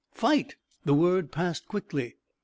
"Fight!" The word passed quickly.